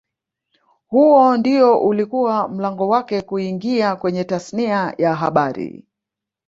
Huo ndio ulikuwa mlango wake kuingia kwenye tasnia ya habari